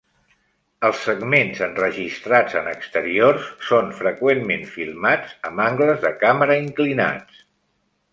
Els segments enregistrats en exteriors són freqüentment filmats amb angles de càmera inclinats.